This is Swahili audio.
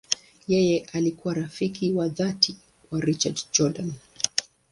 Yeye alikuwa rafiki wa dhati wa Richard Jordan.